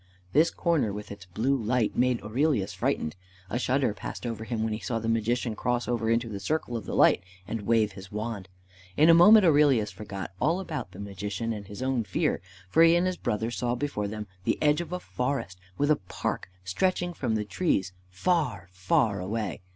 This corner with its blue light made Aurelius frightened. A shudder passed over him when he saw the Magician cross over into the circle of the light and wave his wand. In a moment Aurelius forgot all about the Magician and his own fear, for he and his brother saw before them the edge of a forest with a park stretching from the trees far, far away.